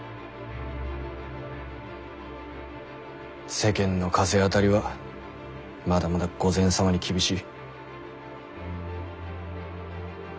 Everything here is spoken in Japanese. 世間の風当たりはまだまだ御前様に厳しい。